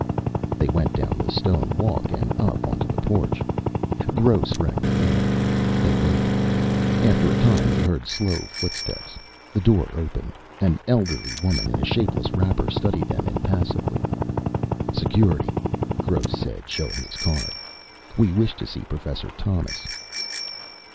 They went down the stone walk and up onto the porch. Gross rang the bell. They waited. After a time they heard slow footsteps. The door opened. An elderly woman in a shapeless wrapper studied them impassively. "Security," Gross said, showing his card. "We wish to see Professor Thomas."